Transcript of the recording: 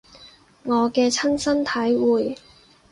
我嘅親身體會